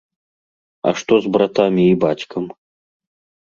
А што з братамі і бацькам?